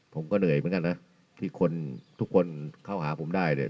ผมก็เหนื่อยเหมือนกันนะที่คนทุกคนเข้าหาผมได้เนี่ย